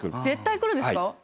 絶対来るんですか？